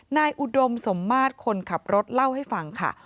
อุดมสมมาตรคนขับรถเล่าให้ฟังค่ะ